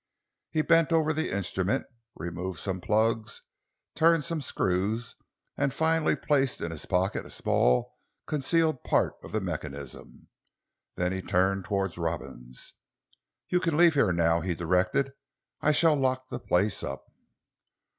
He bent over the instrument, removed some plugs, turned some screws, and finally placed in his pocket a small concealed part of the mechanism. Then he turned towards Robins. "You can leave here now," he directed. "I shall lock the place up."